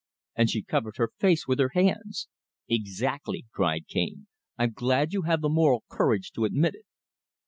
And she covered her face with her hands. "Exactly!" cried Cane. "I'm glad you have the moral courage to admit it."